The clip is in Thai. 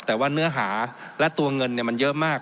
แต่ว่าเนื้อหาและตัวเงินมันเยอะมาก